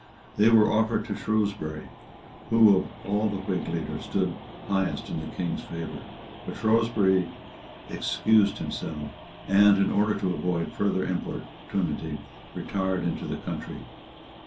They were offered to Shrewsbury, who of all the Whig leaders stood highest in the King's favour; but Shrewsbury excused himself, and, in order to avoid further importunity, retired into the country.